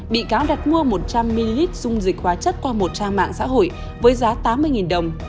bị cáo đặt mua một trăm linh ml dung dịch hóa chất qua một trang mạng xã hội với giá tám mươi đồng